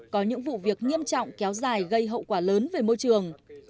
có những vụ việc nghiêm trọng kéo dài gây hậu quả lớn về môi trường